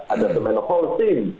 ada semen holcim